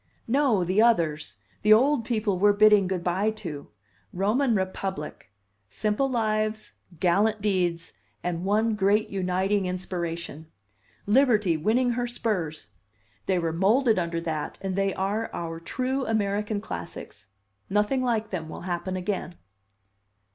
"No, the others; the old people we're bidding good by to. Roman Republic! Simple lives, gallant deeds, and one great uniting inspiration. Liberty winning her spurs. They were moulded under that, and they are our true American classics. Nothing like them will happen again."